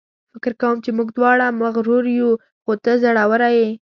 فکر کوم چې موږ دواړه مغرور یو، خو ته زړوره یې.